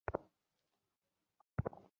আরে না, মজাই ছিল আমাদের সম্পর্কটা।